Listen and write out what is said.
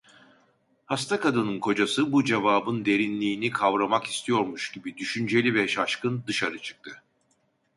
Hasta kadının kocası, bu cevabın derinliğini kavramak istiyormuş gibi düşünceli ve şaşkın, dışarı çıktı.